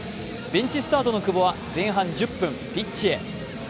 ベンチスタートの久保は前半１０分、ピッチへ。